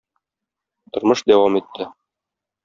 Тормыш дәвам итте.